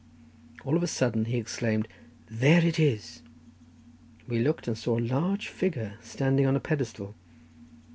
All of a sudden he exclaimed, "There it is!" We looked, and saw a large figure standing on a pedestal.